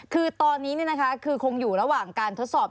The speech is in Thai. คือตอนนี้คือคงอยู่ระหว่างการทดสอบ